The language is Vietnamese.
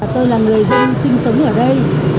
tôi là người dân sinh sống ở đây